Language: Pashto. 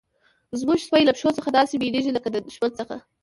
زموږ سپی له پیشو څخه داسې بیریږي لکه له دښمن څخه.